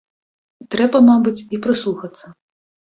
Трэба, мабыць, і прыслухацца.